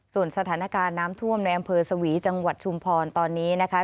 ส่วนสถานการณ์น้ำท่วมในอำเภอสวีจังหวัดชุมพรตอนนี้นะคะ